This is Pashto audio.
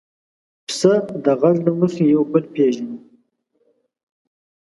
پسه د غږ له مخې یو بل پېژني.